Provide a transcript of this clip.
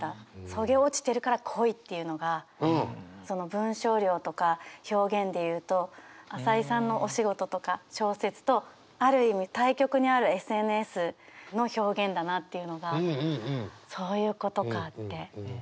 「削げ落ちてるから濃い」っていうのがその文章量とか表現で言うと朝井さんのお仕事とか小説とある意味対極にあるＳＮＳの表現だなっていうのがそういうことかって。